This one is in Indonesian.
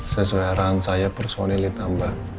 sesuai arahan saya personil ditambah